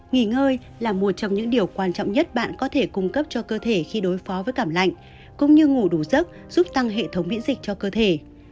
nghỉ ngơi là một trong những điều quan trọng nhất bạn có thể cung cấp cho cơ thể khi đối phó với cảm lạnh cũng như ngủ đủ giấc giúp tăng hệ thống miễn dịch cho cơ thể